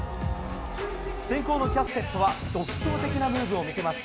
先攻のキャステットは独創的なムーブを見せます。